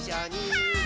はい。